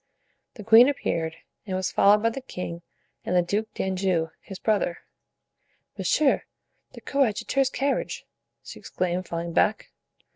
The queen appeared, and was followed by the king and the Duke d'Anjou, his brother. "Monsieur the coadjutor's carriage!" she exclaimed, falling back.